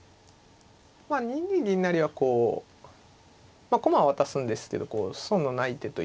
２二銀成はこう駒は渡すんですけど損のない手といいますか。